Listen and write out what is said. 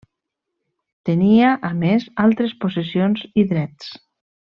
Tenia a més altres possessions i drets.